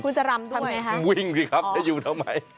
พูดจะรำด้วยครับทำไงครับอ๋อวิ่งสิครับอยู่ทำไม